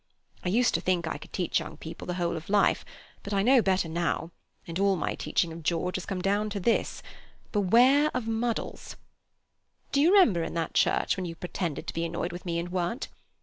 I used to think I could teach young people the whole of life, but I know better now, and all my teaching of George has come down to this: beware of muddle. Do you remember in that church, when you pretended to be annoyed with me and weren't?